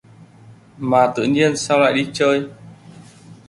Mà tự nhiên sao lại đi chơi